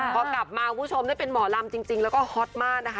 พอกลับมาคุณผู้ชมได้เป็นหมอลำจริงแล้วก็ฮอตมากนะคะ